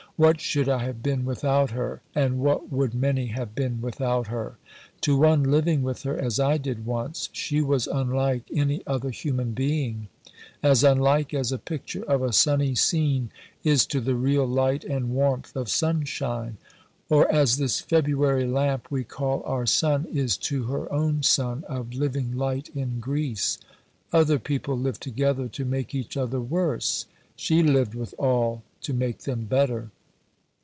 What should I have been without her? and what would many have been without her? To one living with her as I did once, she was unlike any other human being: as unlike as a picture of a sunny scene is to the real light and warmth of sunshine: or as this February lamp we call our sun is to her own Sun of living light in Greece.... Other people live together to make each other worse: she lived with all to make them better.